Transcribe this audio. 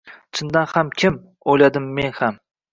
“Chindan ham, kim?” – oʻyladim men ham.